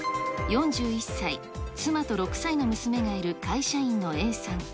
４１歳、妻と６歳の娘がいる会社員のＡさん。